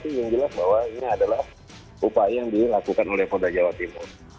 ini adalah upaya yang dilakukan oleh polda jawa timur